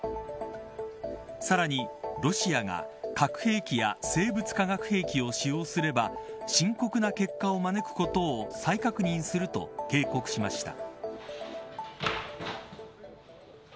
さらに、ロシアが核兵器や生物化学兵器を使用すれば深刻な結果を招くことを再確認すると警告しました。